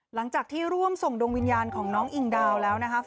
หลังจากที่ร่วมส่งดวงวิญญาณของน้องอิงดาวแล้วนะคะ